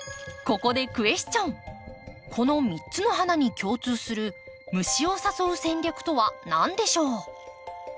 この３つの花に共通する虫を誘う戦略とは何でしょう？